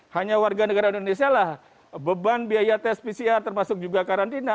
hanya warga negara indonesia lah beban biaya tes pcr termasuk juga karantina